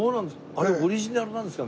あれオリジナルなんですか？